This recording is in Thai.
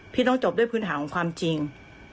พี่ต้องจบด้วยพื้นฐานของความจริง